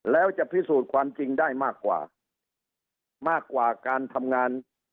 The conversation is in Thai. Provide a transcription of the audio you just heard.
แล้วจะพิสูจน์ความจริงได้มากกว่ามากกว่าการทำงาน